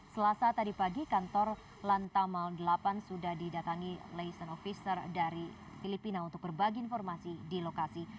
selasa tadi pagi kantor lantamal delapan sudah didatangi lecent officer dari filipina untuk berbagi informasi di lokasi